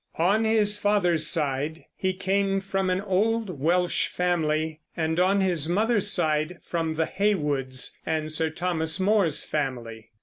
On his father's side he came from an old Welsh family, and on his mother's side from the Heywoods and Sir Thomas More's family.